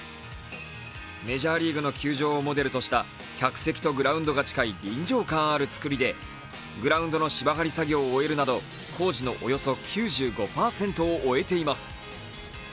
メジャーリーグの球場をモデルとした客席とグラウンドが近い臨場感のあるつくりでグラウンドの芝張り作業を終えるなど工事のおよそ９５％を終えています。